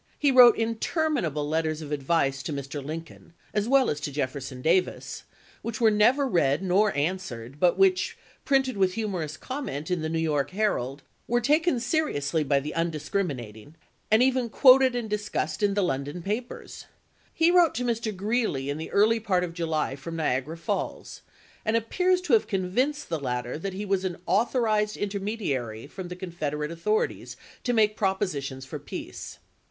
He wrote interminable letters of advice to Mr. Lin coln (as well as to Jefferson Davis), which were never read nor answered, but which, printed with humorous comment in the "New York Herald," were taken seriously by the undiscriminating, and even quoted and discussed in the London papers. He wrote to Mr. Greeley in the early part of July from Niagara Falls, and appears i^. to have convinced the latter that he was an authorized intermediary from the Confederate authorities to make propositions for peace.